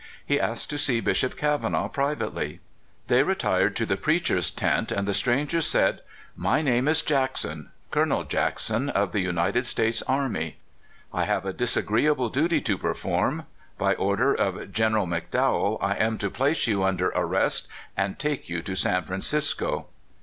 He asked to see Bishop Kavanaugh privately. They retired to " the preachers' tent," and the stranger said: '' My name is Jackson — Col. Jack son, of the United States Arm}^ I have a disa greeable duty to perform. By order of Gen. Mc Dowell, I am to place you under arrest, and take you to San Francisco."